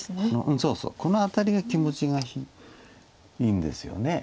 そうそうこのアタリが気持ちがいいんですよね。